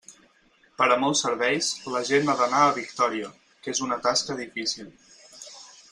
Per a molts serveis, la gent ha d'anar a Victòria, que és una tasca difícil.